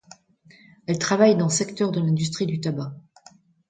Elle travaille dans secteur de l'industrie du tabac.